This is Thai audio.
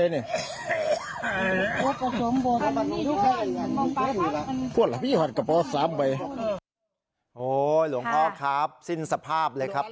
โอ้โหหลวงพ่อครับสิ้นสภาพเลยครับ